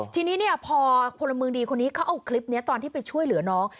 ทีนี้พอภลเมืองโดยดีคนนี้เขากลิปนี้ตอนที่ไปช่วยเหลือน้อง